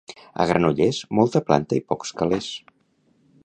A Granollers, molta planta i pocs calés.